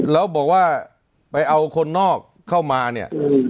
แล้วบอกว่าไปเอาคนนอกเข้ามาเนี่ย